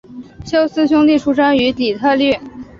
休斯兄弟出生于底特律。